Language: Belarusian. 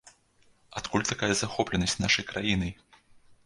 Адкуль такая захопленасць нашай краінай?